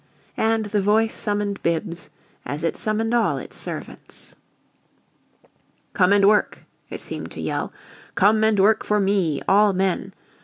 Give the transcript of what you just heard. And the voice summoned Bibbs as it summoned all its servants. "Come and work!" it seemed to yell. "Come and work for Me, all men!